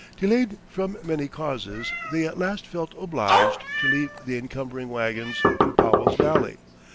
Delayed from many causes, they at last felt obliged to leave the encumbering wagons in Powell's Valley.